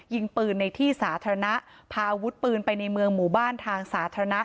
ยิงปืนในที่สาธารณะพาอาวุธปืนไปในเมืองหมู่บ้านทางสาธารณะ